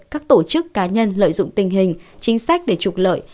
các tổ chức cá nhân lợi dụng tình hình chính sách để trục lợi